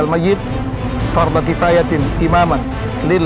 saya berdo'a di atas malam ini